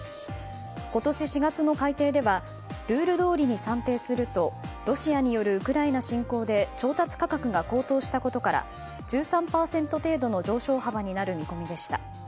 今年４月の改定ではルールどおりに算定するとロシアによるウクライナ侵攻で調達価格が高騰したことから１３％程度の上昇幅になる見込みでした。